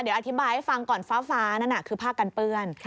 เดี๋ยวอธิบายให้ฟังก่อนฟ้านั่นน่ะคือผ้ากันเปื้อน